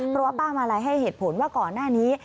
เพราะว่าป้ามาลัยให้เหตุผลว่าก่อนหน้านี้